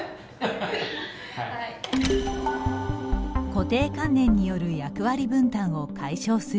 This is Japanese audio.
固定観念による役割分担を解消する取り組み。